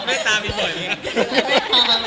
เมตตามีปล่อยมั้ยครับ